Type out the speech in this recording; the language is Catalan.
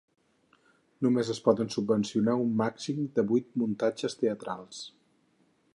Només es poden subvencionar un màxim de vuit muntatges teatrals.